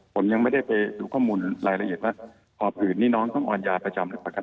ผมยังไม่ได้ไปดูข้อมูลรายละเอียดว่าหอบหิวนี่น้องต้องอ่อนยาประจำนะครับ